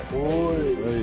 はい。